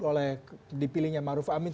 oleh dipilihnya maruf amin